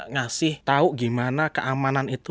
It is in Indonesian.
ngasih tahu gimana keamanan itu